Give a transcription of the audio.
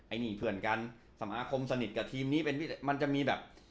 อันนี้เพื่อนกันสมาคมสนิทกับทีมนี้เป็นมันจะมีแบบ